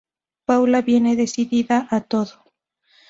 Paula viene decidida a todo.